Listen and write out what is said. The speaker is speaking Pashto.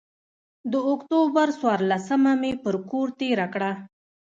د اکتوبر څورلسمه مې پر کور تېره کړه.